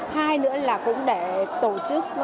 hai nữa là cũng để tổ chức